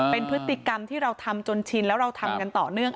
เป็นพฤติกรรมที่เราทำจนชินแล้วเราทำกันต่อเนื่อง